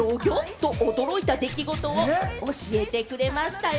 と驚いた出来事を教えてくれましたよ。